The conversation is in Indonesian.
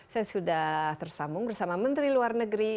saya sudah tersambung bersama menteri luar negeri